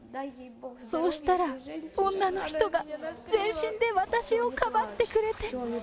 そうしたら女の人が全身で私をかばってくれて。